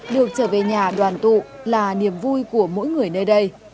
được trở về nhà đoàn tụ là niềm vui của mỗi người nơi đây